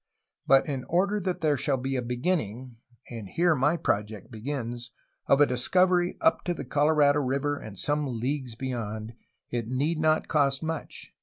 But in order that there shall be a beginning (and here my project begins) of a discovery up to the Colorado River and some leagues beyond, it need not cost much.